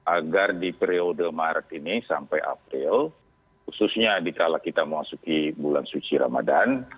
agar di periode maret ini sampai april khususnya dikala kita memasuki bulan suci ramadan